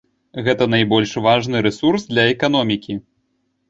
Гэта найбольш важны рэсурс для эканомікі.